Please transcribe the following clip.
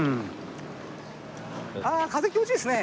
風気持ちいいですね。